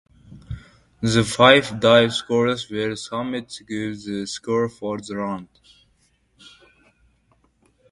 The five dive scores were summed to give the score for the round.